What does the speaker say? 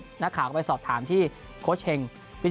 นักข่าวก็ไปสอบถามที่โค้ชเฮง